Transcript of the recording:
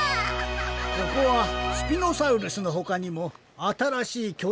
ここはスピノサウルスのほかにもあたらしいきょ